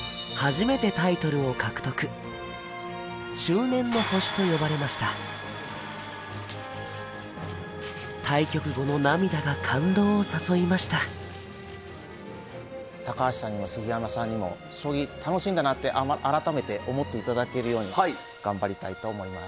中年の星と呼ばれました対局後の涙が感動を誘いました高橋さんにも杉山さんにも将棋楽しいんだなって改めて思っていただけるように頑張りたいと思います。